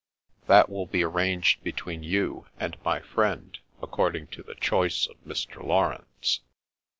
"That will be arranged between you and my friend, according to the choice of Mr. Laurence."